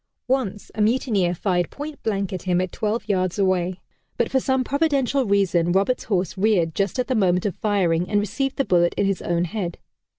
Once, a mutineer fired point blank at him at twelve yards away, but for some providential reason Roberts' horse reared just at the moment of firing and received the bullet in his own head.